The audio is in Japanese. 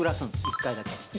１回だけ。